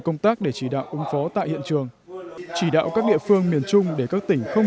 công tác để chỉ đạo ứng phó tại hiện trường chỉ đạo các địa phương miền trung để các tỉnh không